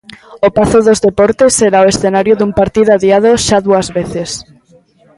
O Pazo dos Deportes será o escenario dun partido adiado xa dúas veces.